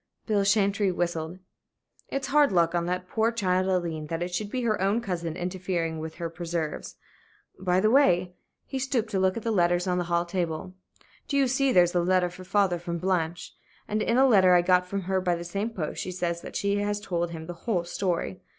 Bill Chantrey whistled. "It's hard luck on that poor child Aileen that it should be her own cousin interfering with her preserves. By the way" he stooped to look at the letters on the hall table "do you see there's a letter for father from Blanche? And in a letter I got from her by the same post, she says that she has told him the whole story.